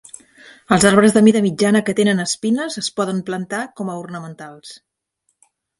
Els arbres de mida mitjana que tenen espines es poden plantar com a ornamentals.